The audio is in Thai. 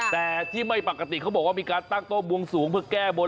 แต่ที่ไม่ปกติเขาบอกว่ามีการตั้งโต๊ะบวงสวงเพื่อแก้บน